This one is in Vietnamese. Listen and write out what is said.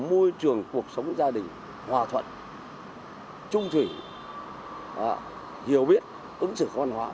môi trường cuộc sống gia đình hòa thuận trung thủy hiểu biết ứng xử văn hóa